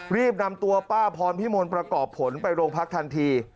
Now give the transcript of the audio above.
รีบนำตัวป้าพรพิมลประกอบผลไปโรงพักทันที